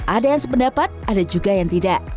ada yang sependapat ada juga yang tidak